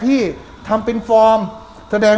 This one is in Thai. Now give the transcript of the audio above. บางคนก็สันนิฐฐานว่าแกโดนคนติดยาน่ะ